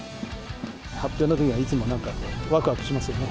発表のときにはいつもなんか、わくわくしますよね。